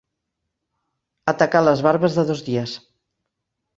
Atacar les barbes de dos dies.